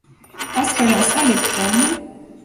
Parce que la salle est pleine.